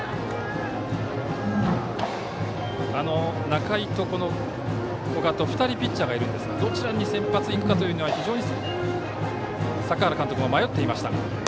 仲井と古賀と２人ピッチャーがいるんですがどちらに先発いくかというのは非常に坂原監督は迷っていました。